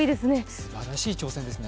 すばらしい挑戦ですね。